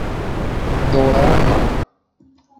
Dora Ma.